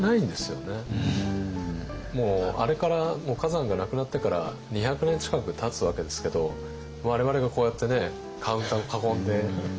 もうあれから崋山が亡くなってから２００年近くたつわけですけど我々がこうやってねカウンターを囲んで崋山の話をするっていう。